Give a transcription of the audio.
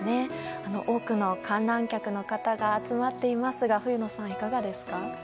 多くの観覧客の方が集まっていますが冬野さん、いかがですか？